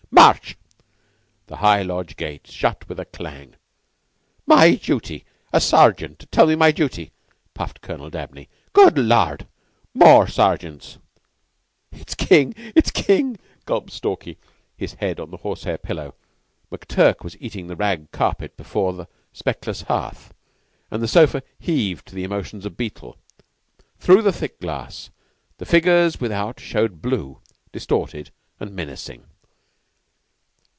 March!" The high Lodge gate shut with a clang. "My duty! A sergeant to tell me my duty!" puffed Colonel Dabney. "Good Lard! more sergeants!" "It's King! It's King!" gulped Stalky, his head on the horsehair pillow. McTurk was eating the rag carpet before the speckless hearth, and the sofa heaved to the emotions of Beetle. Through the thick glass the figures without showed blue, distorted, and menacing.